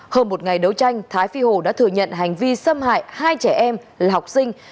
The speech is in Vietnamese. hơn một ngày đấu tranh thái phi hồ đã thừa nhận hành vi xâm hại hai trẻ em là học sinh